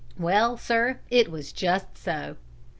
Well, sir, it was just so.